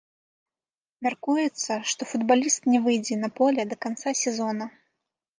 Мяркуецца, што футбаліст не выйдзе на поле да канца сезона.